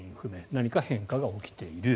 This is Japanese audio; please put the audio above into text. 何か変化が起きている。